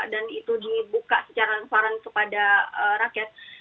itu dibuka secara transparan kepada rakyat